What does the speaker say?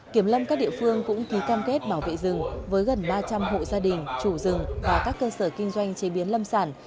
kiểm lâm các địa phương cũng ký cam kết bảo vệ rừng với gần ba trăm linh hộ gia đình chủ rừng và các cơ sở kinh doanh chế biến lâm sản